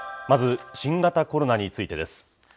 まず新型コロナについてです。